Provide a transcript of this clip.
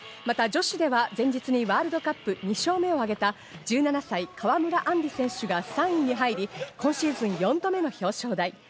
また女子では前日にＷ杯２勝目を挙げた１７歳、川村あんり選手が３位に入り、今シーズン４度目の表彰台。